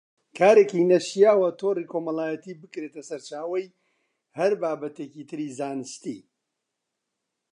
کارێکی نەشیاوە تۆڕی کۆمەڵایەتی بکرێتە سەرچاوەی هەر بابەتێکی تری زانستی